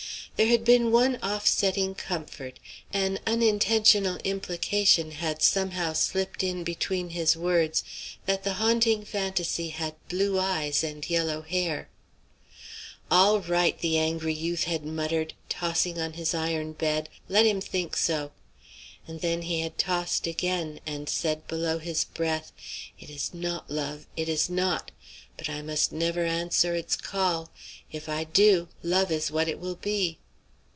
There had been one offsetting comfort; an unintentional implication had somehow slipped in between his words, that the haunting fantasy had blue eyes and yellow hair. "All right," the angry youth had muttered, tossing on his iron couch, "let him think so!" And then he had tossed again, and said below his breath, "It is not love: it is not. But I must never answer its call; if I do, love is what it will be.